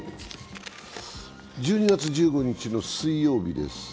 １２月１５日の水曜日です。